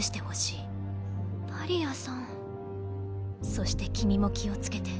「そして君も気をつけて」。